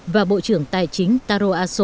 và bộ trưởng tài chính taro aso bảy mươi chín tuổi